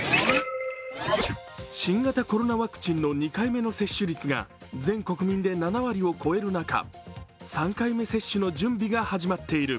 新型コロナワクチンの２回目の接種率が全国民で７割を超える中、３回目接種の準備が始まっている。